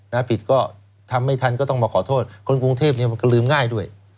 ผิดก็ทำไม่ทันก็ต้องมาขอโทษคนกรุงเทพเนี่ยมันก็ลืมง่ายด้วย